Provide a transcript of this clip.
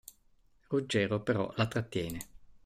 Ruggero però la trattiene.